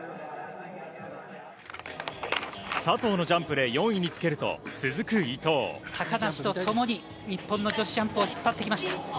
佐藤のジャンプで４位につけると、高梨と共に、日本の女子ジャンプを引っ張ってきました。